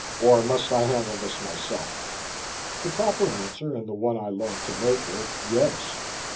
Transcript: Or must I handle this myself?" The proper answer, and the one I longed to make, was "Yes."